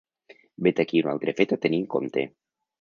Vet aquí un altre fet a tenir en compte.